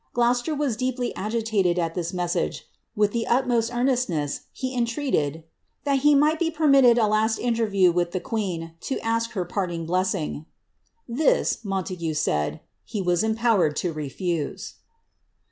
Gloucester was deeply igittted at this message; with the utmost earnestness, he entreated *^ that he might be permitted a last interview with the queen, to ask her parting bleising." ^^This," Montague said, ^^he was empowered to lefose."